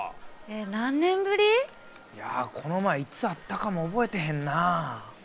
えっ何年ぶり？いやこの前いつ会ったかも覚えてへんなあ。